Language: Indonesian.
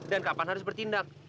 dan kapan harus bertindak